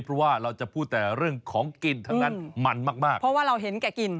เพราะว่าเราจะพูดแต่เรื่องของกินทั้งนั้นมันมากมากเพราะว่าเราเห็นแก่กิน